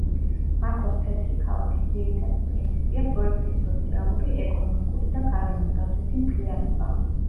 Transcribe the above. ბაქოს თეთრი ქალაქის ძირითადი პრინციპია პროექტის სოციალური, ეკონომიკური და გარემოსდაცვითი მთლიანობა.